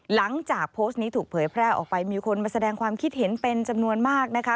หลังจากโพสต์นี้ถูกเผยแพร่ออกไปมีคนมาแสดงความคิดเห็นเป็นจำนวนมากนะคะ